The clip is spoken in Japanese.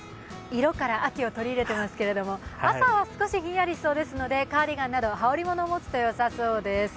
色から秋を取り入れていますが朝は少しひんやりしそうなのでカーディガンなど羽織り物を持つと良さそうです